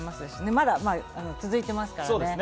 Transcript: まだ続いていますからね。